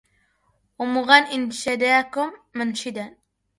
ومغن إن شداكم منشدا